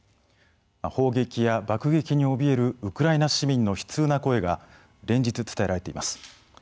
砲撃や爆撃におびえるウクライナ市民の悲痛な声が連日伝えられています。